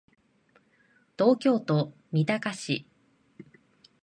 東京都三鷹市